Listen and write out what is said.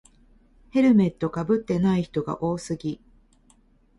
ヘルメットかぶってない人が多すぎ